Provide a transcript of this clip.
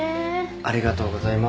ありがとうございます。